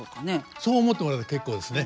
そう思ってもらえば結構ですね。